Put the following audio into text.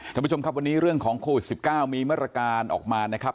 ท่านผู้ชมครับวันนี้เรื่องของโควิด๑๙มีมาตรการออกมานะครับ